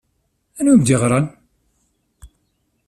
Anwa i m-d-yeɣṛan?